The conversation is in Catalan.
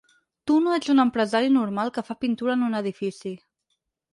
Tu no ets un empresari normal que fa pintura en un edifici.